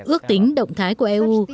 ước tính động thái của eu